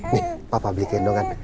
nih papa beli gendongan